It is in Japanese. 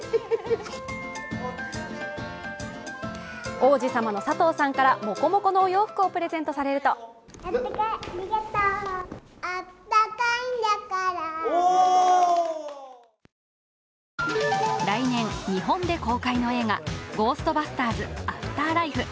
王子様の佐藤さんからもこもこのお洋服をプレゼントされると来年、日本で公開の映画「ゴーストバスターズ／アフターライフ」。